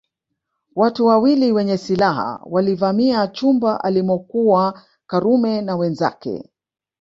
Watu wawili wenye silaha walivamia chumba alimokuwa Karume na wenzake